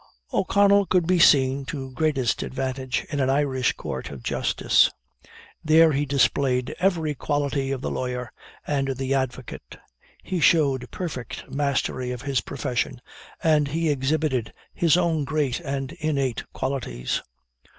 O'Connell could be seen to greatest advantage in an Irish court of justice. There he displayed every quality of the lawyer and the advocate. He showed perfect mastery of his profession, and he exhibited his own great and innate qualities.